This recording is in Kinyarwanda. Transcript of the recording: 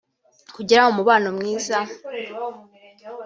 kugira umubano mwiza